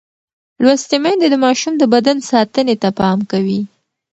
لوستې میندې د ماشوم د بدن ساتنې ته پام کوي.